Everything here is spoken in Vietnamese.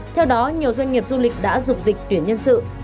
theo đó nhiều doanh nghiệp du lịch đã dục dịch tuyển nhân sự